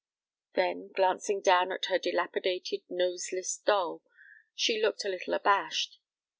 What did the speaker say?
Then, glancing down at her dilapidated, noseless doll, she looked a little abashed.